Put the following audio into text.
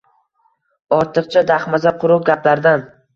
Ortiqcha daxmaza, quruq gaplardan